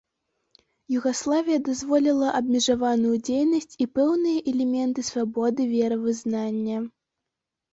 Югаславія дазволіла абмежаваную дзейнасць і пэўныя элементы свабоды веравызнання.